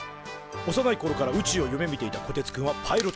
幼いころから宇宙を夢みていたこてつくんはパイロット科へ。